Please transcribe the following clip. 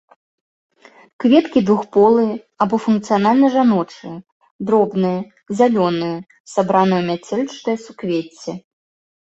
Кветкі двухполыя або функцыянальна жаночыя, дробныя, зялёныя, сабраныя ў мяцёлчатае суквецце.